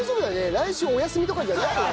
来週お休みとかじゃないよね？